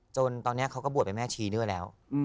จนตอนเนี่ยเค้าก็บวชไปแม่ชีด้วยแล้ว